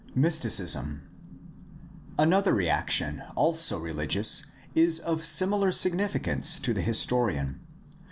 Mysticism. — Another reaction, also religious, is of similar significance to the historian.